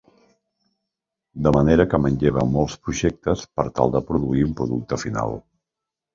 De manera que manlleva molts projectes per tal de produir un producte final.